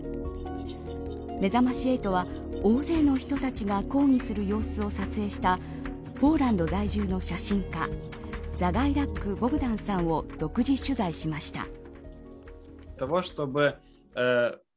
めざまし８は、大勢の人たちが抗議する様子を撮影したポーランド在住の写真家ザガイダック・ボグダンさんを独自取材しました。